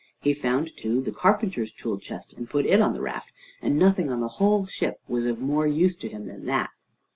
He found, too, the carpenter's tool chest, and put it on the raft; and nothing on the whole ship was of more use to him than that.